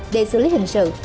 để xử lý hình sự